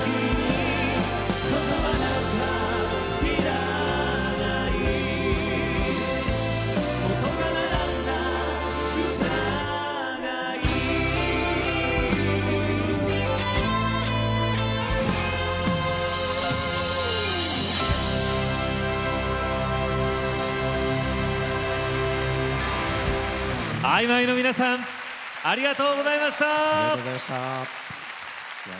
ＩＭＹの皆さんありがとうございました。